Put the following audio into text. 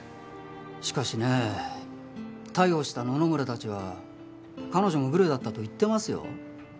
しかしね逮捕した野々村たちは彼女もグルだったと言ってますよ。